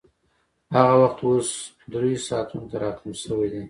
هغه وخت اوس درېیو ساعتونو ته راکم شوی دی